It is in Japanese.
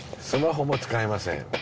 スマホも使えません。